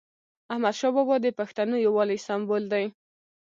احمدشاه بابا د پښتنو یووالي سمبول دی.